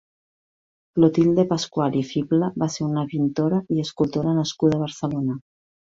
Clotilde Pascual i Fibla va ser una pintora i escultora nascuda a Barcelona.